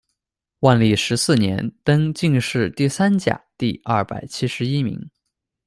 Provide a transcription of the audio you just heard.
万历十四年，登进士第三甲第二百七十一名。